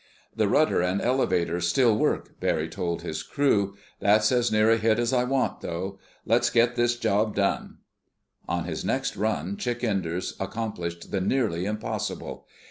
"The rudder and elevators still work," Barry told his crew. "That's as near a hit as I want, though. Let's get this job done." On his next run Chick Enders accomplished the nearly impossible.